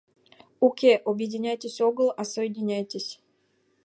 — Уке, «объединяйтесь» огыл, а «соединяйтесь».